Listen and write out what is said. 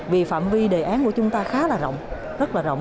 vì phạm vi đề án của chúng ta khá là rộng rất là rộng